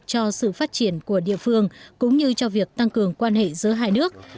cho sự phát triển của địa phương cũng như cho việc tăng cường quan hệ giữa hai nước